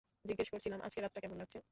জিজ্ঞেস করছিলাম আজকের রাতটা কেমন লাগছে?